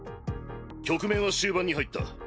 局面は終盤に入った。